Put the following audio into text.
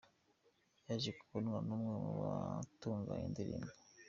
Yaje kubonwa n’umwe mu batunganya indirimbo